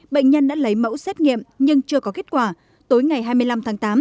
bệnh nhân đã lấy mẫu xét nghiệm nhưng chưa có kết quả tối ngày hai mươi năm tháng tám